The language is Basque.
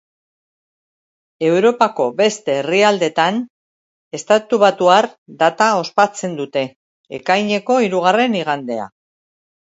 Europako beste herrialdetan estatubatuar data ospatzen dute: ekaineko hirugarren igandea.